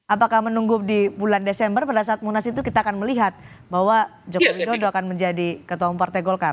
apakah menunggu di bulan desember pada saat munas itu kita akan melihat bahwa joko widodo akan menjadi ketua umum partai golkar